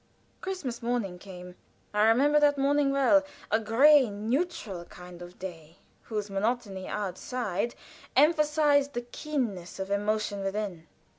Christmas morning came. I remember that morning well a gray, neutral kind of day, whose monotony outside emphasized the keenness of emotion within.